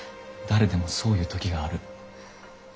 誰でもそういう時がある。